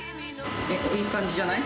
いい感じじゃない？